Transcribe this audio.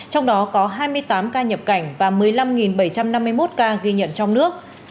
trong đó có hai mươi tám ca nhập cảnh và một mươi năm bảy trăm năm mươi một ca ghi nhận trong nước